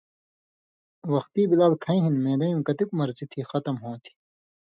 وختی بِلال کھَیں ہِن معدَیں کتُک مرضی تھی، ختم ہوتھی۔